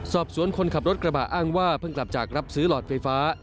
คนขับรถกระบะอ้างว่าเพิ่งกลับจากรับซื้อหลอดไฟฟ้า